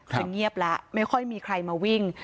คือเงียบแล้วไม่ค่อยมีใครมาวิ่ง